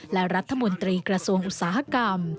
และรัฐมนตรีกระทรวงอุตสาหกรรม